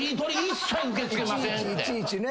一切受け付けませんって。